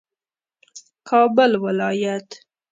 کابل ولایت